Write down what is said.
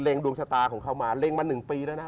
ดวงชะตาของเขามาเล็งมา๑ปีแล้วนะ